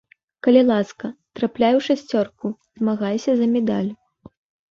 Калі ласка, трапляй у шасцёрку, змагайся за медаль.